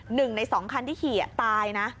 หนึ่งในสองคันที่ขี่ตายนะ